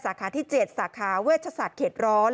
สาขาที่๗สาขาเวชศัตริย์เข็ดร้อน